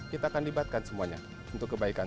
kita akan libatkan semuanya untuk kebaikan